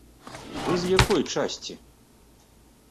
Вы з якой часці?